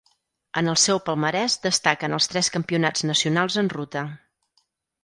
En el seu palmarès destaquen els tres Campionats nacionals en ruta.